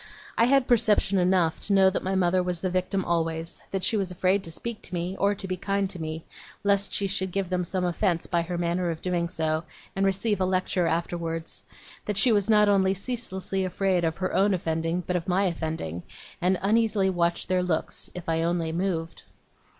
I had perception enough to know that my mother was the victim always; that she was afraid to speak to me or to be kind to me, lest she should give them some offence by her manner of doing so, and receive a lecture afterwards; that she was not only ceaselessly afraid of her own offending, but of my offending, and uneasily watched their looks if I only moved.